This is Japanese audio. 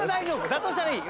だとしたらいい。